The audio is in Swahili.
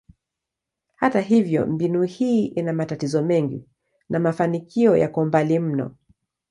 Hata hivyo, mbinu hii ina matatizo mengi na mafanikio yako mbali mno.